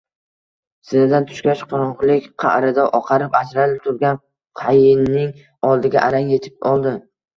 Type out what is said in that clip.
Zinadan tushgach, qorongʻulik qaʼrida oqarib-ajralib turgan qayinning oldiga arang yetib oldi